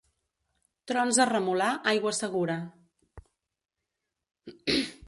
Trons a Remolar, aigua segura.